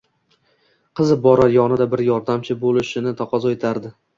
qizib borar, yonida bir yordamchi bo'lishini taqozo etardi.